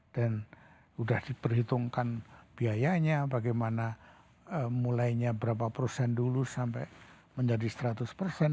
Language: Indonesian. sudah diperhitungkan biayanya bagaimana mulainya berapa persen dulu sampai menjadi seratus persen